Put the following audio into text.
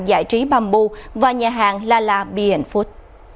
giải trí bamboo và nhà hàng la la beer food